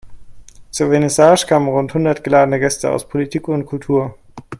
Zur Vernissage kamen rund hundert geladene Gäste aus Politik und Kultur.